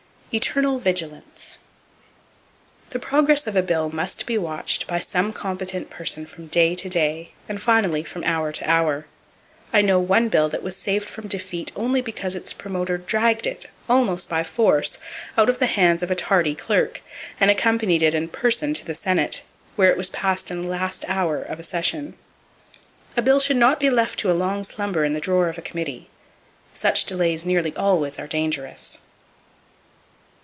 Eternal Vigilance. —The progress of a bill must be watched by some competent person from day to day, and finally from hour to hour. I know one bill that was saved from defeat only because its promoter dragged it, almost by force, out of the hands of a tardy clerk, and accompanied it in person to the senate, where it was passed in the last hour of a session. A bill should not be left to a long slumber in the drawer of a committee. Such delays nearly always are dangerous.